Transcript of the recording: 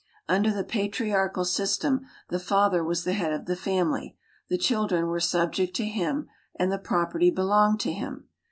Under the Patriarchal system the father was the head of the family, the children were subject to him and the property belonged to him.